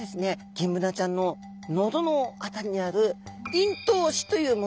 ギンブナちゃんの喉の辺りにある咽頭歯というものなんですね。